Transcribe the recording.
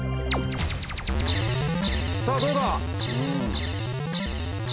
さあどうだ？